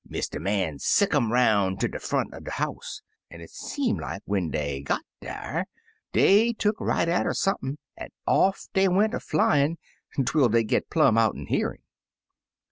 Mr. Man sicc'd um 'roun' ter de front er de house, an* it seem like dat when dey got dar, dey tuck right atter sump'n, an' off dey went a flyin* twel dey git plumb out'n hearin'.